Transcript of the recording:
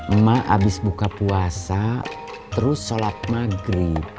emah abis buka puasa terus sholat maghrib